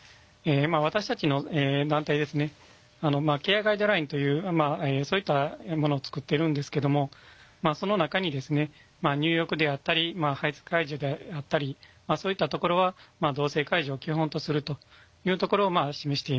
私たちの団体ですねケアガイドラインというそういったものを作ってるんですけどもその中に入浴であったり排せつ介助であったりまあそういったところは同性介助を基本とするというところを示しています。